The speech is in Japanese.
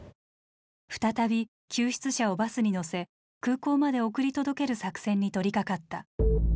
再び救出者をバスに乗せ空港まで送り届ける作戦に取りかかった。